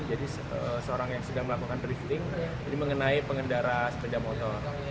jadi seorang yang sedang melakukan drifting ini mengenai pengendara sepeda motor